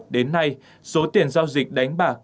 đến nay số tiền giao dịch đánh bạc